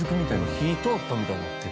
火通ったみたいになってる。